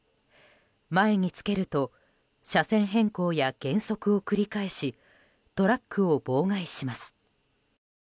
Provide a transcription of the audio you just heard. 前につけると車線変更や減速を繰り返しトラックを妨害します。